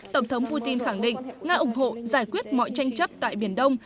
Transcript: tổng thống putin khẳng định nga ủng hộ giải quyết mọi tranh chấp tại biển đông